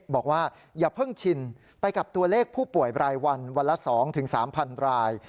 บอกว่าอย่าเพิ่งชินไปกับตัวเลขผู้ป่วยรายวันวันละ๒๓๐๐๐ราย